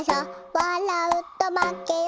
わらうとまけよ。